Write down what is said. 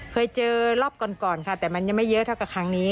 เคยเจอรอบก่อนค่ะแต่มันยังไม่เยอะเท่ากับครั้งนี้